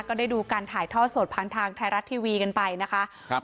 ก็ได้ดูการถ่ายทอดสดผ่านทางไทยรัฐทีวีกันไปนะคะครับ